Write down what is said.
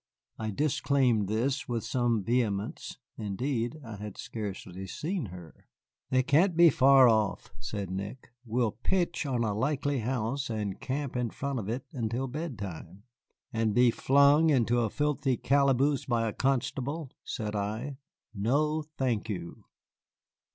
I disclaimed this with some vehemence. Indeed, I had scarcely seen her. "They can't be far off," said Nick; "we'll pitch on a likely house and camp in front of it until bedtime." "And be flung into a filthy calaboose by a constable," said I. "No, thank you."